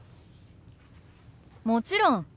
もちろん。